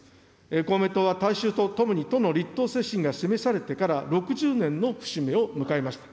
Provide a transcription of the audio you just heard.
公明党は大衆とともにとの立党精神が示されてから６０年の節目を迎えました。